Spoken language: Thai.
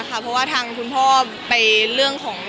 เพราะว่าทางคุณพ่อไปเรื่องของ